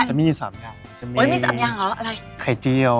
โเหมี๓อย่างเหรอขายเจียว